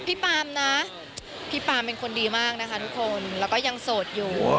ปาล์มนะพี่ปามเป็นคนดีมากนะคะทุกคนแล้วก็ยังโสดอยู่